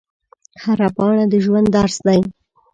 هره پاڼه د ژوند درس دی